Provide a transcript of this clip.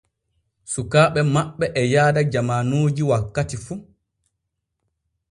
Sukaaɓe maɓɓe e yaada jamaanuji wakkati fu.